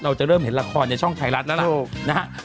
เราจะเริ่มเห็นละครในช่องไทยรัฐแล้วล่ะนะฮะ